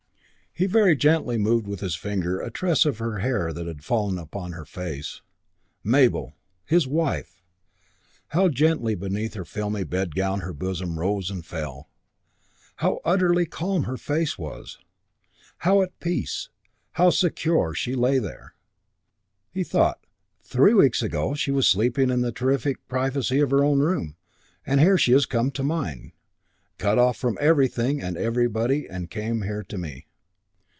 He very gently moved with his finger a tress of her hair that had fallen upon her face.... Mabel!... His wife!... How gently beneath her filmy bedgown her bosom rose and fell!... How utterly calm her face was. How at peace, how secure, she lay there. He thought, "Three weeks ago she was sleeping in the terrific privacy of her own room, and here she is come to me in mine. Cut off from everything and everybody and come here to me."